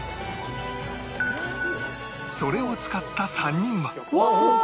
それを使った３人は